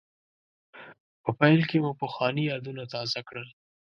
په پیل کې مو پخواني یادونه تازه کړل.